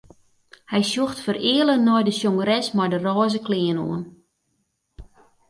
Hy sjocht fereale nei de sjongeres mei de rôze klean oan.